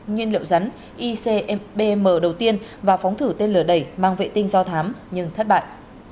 nguyên liệu rắn icbm đầu tiên và phóng thử tên lửa đẩy mang vệ tinh do thám nhưng thất bại